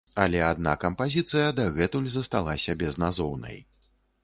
Але адна кампазіцыя дагэтуль засталася безназоўнай.